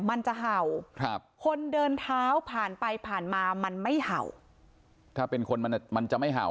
มันจะเห่าครับคนเดินเท้าผ่านไปผ่านมามันไม่เห่าถ้าเป็นคนมันมันจะไม่เห่า